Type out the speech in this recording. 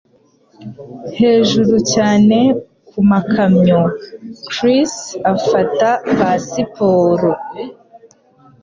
hejuru cyane ku makamyo, Chris afata pasiporo.